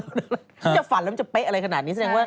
ฉันจะฝันแล้วมันจะเป๊ะอะไรขนาดนี้